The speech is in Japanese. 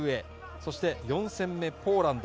そして、４戦目ポーランド。